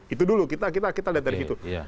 itu dulu kita lihat dari situ